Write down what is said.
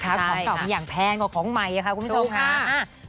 ของเก่ามาอย่างแพงกว่าของใหม่ค่ะคุณผู้ชมค่ะ